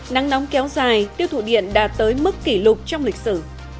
nắng nóng kéo dài tiêu thụ điện đạt tới mức kỷ lục trong lịch sử